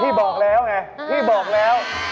พี่บอกแล้วไงพี่บอกแล้ว